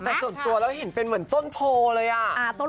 แต่ส่วนตัวเราเห็นเป็นเหมือนต้นโพเลยอ่ะ